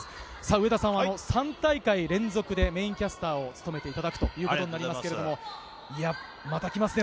上田さんは３大会連続でメインキャスターを務めていただくということになりますけれども、また来ますね！